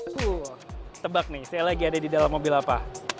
tuh tebak nih saya lagi ada di dalam mobil apa